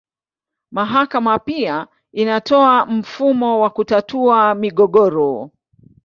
Mahakama pia inatoa mfumo wa kutatua migogoro.